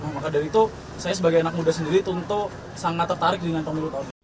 maka dari itu saya sebagai anak muda sendiri tentu sangat tertarik dengan pemilu tahun ini